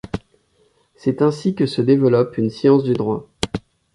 C’est ainsi que se développe une science du droit.